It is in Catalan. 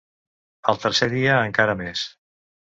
Al tercer dia encara més.